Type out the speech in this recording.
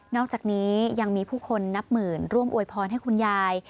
อกจากนี้ยังมีผู้คนนับหมื่นร่วมอวยพรให้คุณยาย